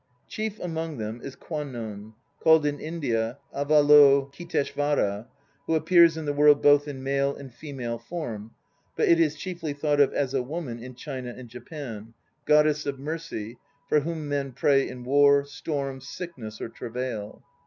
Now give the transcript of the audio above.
Chief among them is Kwannon, called in India Avalokiteshvara, v, MM appears in the world both in male and female form, but it is chiefly thought of as a woman in China and Japan; Goddess of Mercy, \\iiom men pray in war, storm, sickness or travail.